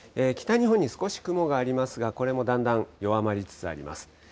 北日本に少し雲がありますが、これもだんだん弱まりつつあります。